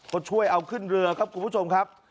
เขาไปเอาคืนเรือครับคุณผู้ชมครับ